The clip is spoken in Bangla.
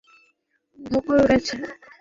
আজ বড্ড ধকল গেছে।